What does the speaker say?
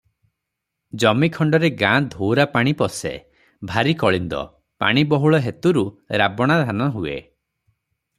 ଜମିଖଣ୍ତରେ ଗାଁ ଧୋଉରା ପାଣି ପଶେ, ଭାରି କଳିନ୍ଦ, ପାଣିବହୁଳ ହେତୁରୁ ରାବଣା ଧାନ ହୁଏ ।